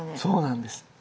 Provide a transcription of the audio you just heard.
そうなんです。